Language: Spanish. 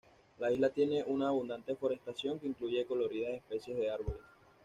La isla tiene una abundante forestación que incluye coloridas especies de árboles.